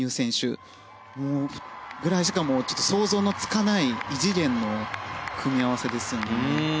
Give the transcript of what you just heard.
それぐらいしかちょっと想像のつかない異次元の組み合わせですよね。